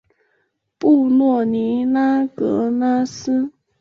布洛尼拉格拉斯。